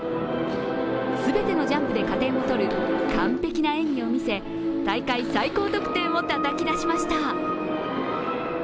全てのジャンプで加点を取る完璧な演技を見せ大会最高得点をたたき出しました。